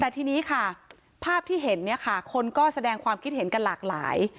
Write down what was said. แต่ทีนี้ค่ะภาพที่เห็นเนี่ยค่ะคนก็แสดงความคิดเห็นกันหลากหลาย